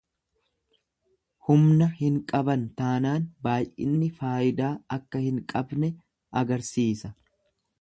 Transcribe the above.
Humna hin qaban taanaan baay'inni faayidaa akka hin qabne agarsiisa.